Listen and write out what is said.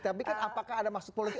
tapi kan apakah ada maksud politik